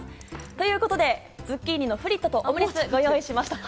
ということで、ズッキーニのフリットとオムレツ、ご用意しました。